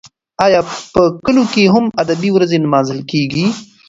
ایا په کلو کې هم ادبي ورځې لمانځل کیږي؟